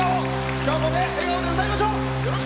今日も笑顔で歌いましょう！